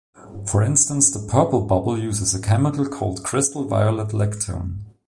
For instance, the purple bubble uses a chemical called crystal violet lactone.